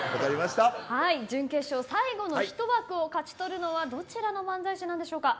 準決勝、最後のひと枠を勝ち取るのはどちらの漫才師でしょうか。